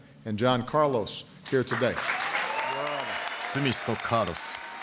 スミスとカーロス。